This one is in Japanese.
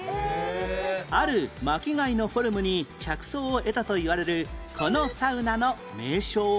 ある巻き貝のフォルムに着想を得たといわれるこのサウナの名称は？